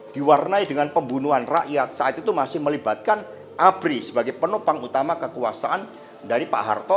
diwarnai dengan pembunuhan rakyat saat itu masih melibatkan abri sebagai penopang utama kekuasaan dari pak harto